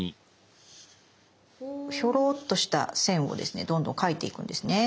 ヒョロッとした線をですねどんどん描いていくんですね。